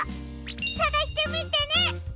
さがしてみてね！